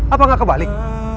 apa gak kebalik